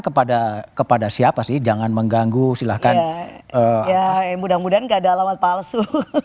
kepada kepada siapa sih jangan mengganggu silahkan mudah mudahan enggak ada alamat palsu